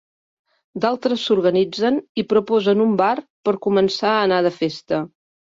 D'altres s'organitzen i proposen un bar per començar a anar de festa.